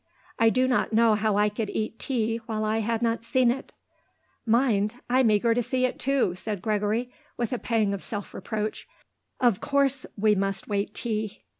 I do not know how I could eat tea while I had not seen it." "Mind? I'm eager to see it, too," said Gregory, with a pang of self reproach. "Of course we must wait tea."